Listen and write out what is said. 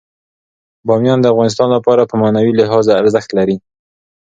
بامیان د افغانانو لپاره په معنوي لحاظ ارزښت لري.